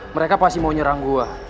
mereka pasti mau nyerang gue